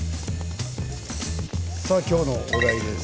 さあ今日のお題です。